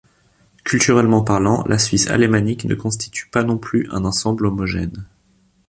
Culturellement parlant, la Suisse alémanique ne constitue pas non plus un ensemble homogène.